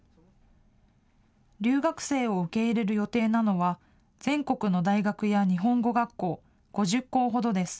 留学生を受け入れる予定なのは全国の大学や日本語学校５０校ほどです。